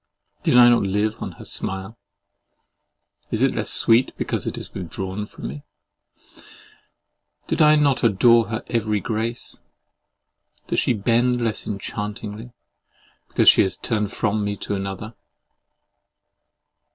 Did I not live on her smile? Is it less sweet because it is withdrawn from me? Did I not adore her every grace? Does she bend less enchantingly, because she has turned from me to another?